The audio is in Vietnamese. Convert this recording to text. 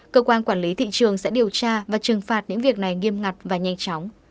cơ quan quản lý thị trường sẽ điều tra và trừng phạt những việc này nghiêm ngặt và nhanh chóng